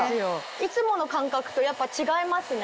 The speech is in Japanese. いつもの感覚とやっぱ違いますね。